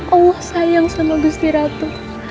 allah sayang sama gusti ratu